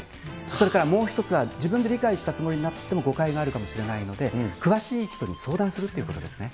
それからもう１つは、自分で理解したつもりになっても、誤解があるかもしれないので、詳しい人に相談するということですね。